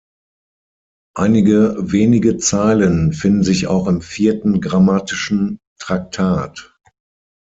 Einige wenige Zeilen finden sich auch im Vierten Grammatischen Traktat.